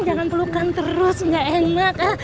jangan pelukan terus nggak enak